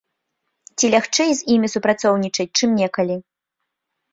Ці лягчэй з імі супрацоўнічаць, чым некалі?